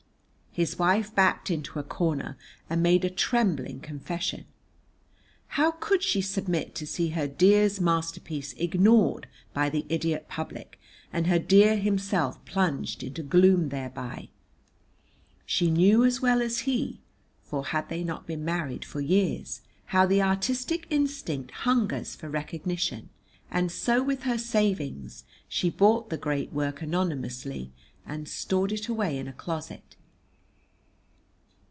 His wife backed into a corner and made trembling confession. How could she submit to see her dear's masterpiece ignored by the idiot public, and her dear himself plunged into gloom thereby? She knew as well as he (for had they not been married for years?) how the artistic instinct hungers for recognition, and so with her savings she bought the great work anonymously and stored it away in a closet.